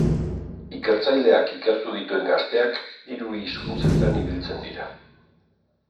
Ikertzaileak ikertu dituen gazteak hiru hizkuntzetan ibiltzen dira.